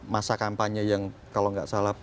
masa kampanye yang kalau nggak salah